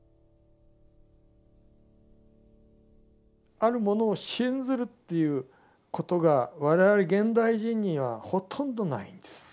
あるものを信ずるっていうことが我々現代人にはほとんどないんです。